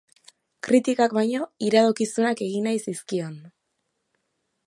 Kritikak baino, iradokizunak egin nahi zizkion.